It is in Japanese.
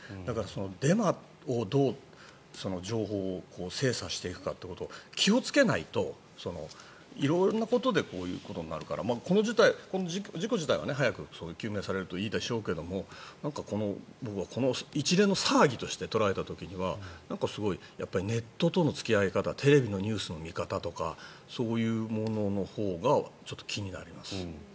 デマをどう情報を精査していくかということ気をつけないと、色々なことでこういうことになるからこの事故自体は早く究明されるといいでしょうけども僕はこの一連の騒ぎとして捉えた時にはすごい、ネットとの付き合い方テレビのニュースの見方とかそういうもののほうがちょっと気になります。